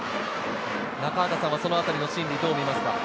中畑さんはそのあたりの心理はどう見ますか？